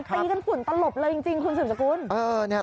ตีกันฝุ่นตลบเลยจริงคุณสืบสกุล